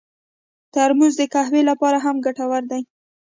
ترموز د قهوې لپاره هم ګټور دی.